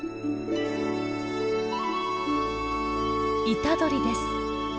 イタドリです。